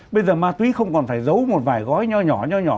bây giờ ma túy không còn phải giấu một vài gói nhỏ nhỏ nhỏ